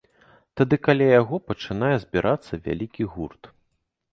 Тады каля яго пачынае збірацца вялікі гурт.